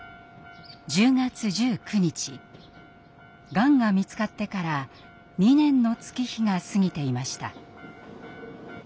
がんが見つかってから２年の月日が過ぎていました。